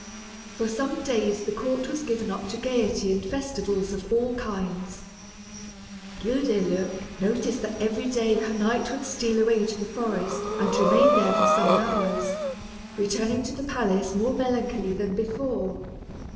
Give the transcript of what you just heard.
For some days the court was given up to gaiety and festivals of all kinds. Guildeluec noticed that every day her knight would steal away to the forest and remain there for some hours, returning to the palace more melancholy than before.